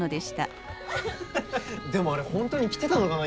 でもあれ本当に来てたのかな？